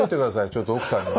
ちょっと奥さんに。